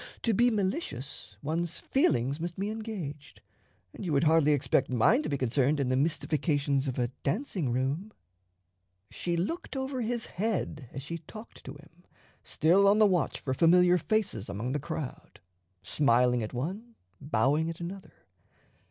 To be malicious, one's feelings must be engaged; and you would hardly expect mine to be concerned in the mystifications of a dancing room." She looked over his head as she talked to him, still on the watch for familiar faces among the crowd, smiling at one, bowing at another. Mr.